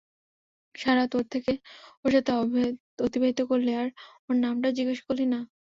সারারাত ওর সাথে অতিবাহিত করলি আর ওর নাম টাও জিজ্ঞেস করলি না?